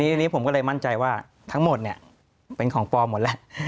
ทีนี้ผมก็เลยมั่นใจว่าทั้งหมดเนี่ยเป็นของปลอมหมดแล้ว